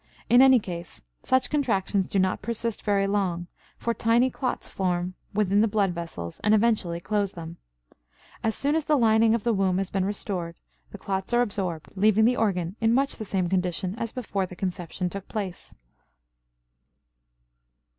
In any case, such contractions do not persist very long, for tiny clots form within the blood vessels and effectually close them. As soon as the lining of the womb has been restored the clots are absorbed, leaving the organ in much the same condition as before conception took place.